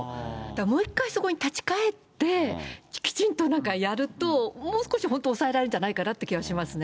もう一回そこに立ち返って、きちんとなんかやると、もう少し本当は抑えられるんじゃないかなって気がしますね。